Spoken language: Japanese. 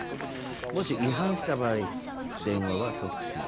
もし違反した場合電話は即終了。